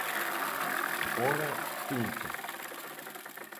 Hora punta.